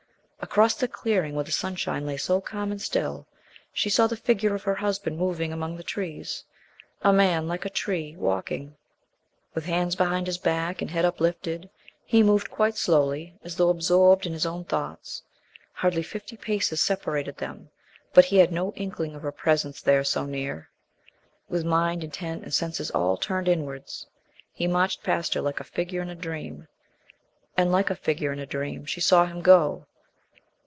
Across the clearing where the sunshine lay so calm and still, she saw the figure of her husband moving among the trees a man, like a tree, walking. With hands behind his back, and head uplifted, he moved quite slowly, as though absorbed in his own thoughts. Hardly fifty paces separated them, but he had no inkling of her presence there so near. With mind intent and senses all turned inwards, he marched past her like a figure in a dream, and like a figure in a dream she saw him go.